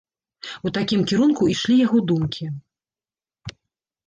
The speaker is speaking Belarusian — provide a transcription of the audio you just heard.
У такім кірунку ішлі яго думкі.